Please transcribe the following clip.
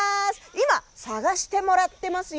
今、探してもらってますよ。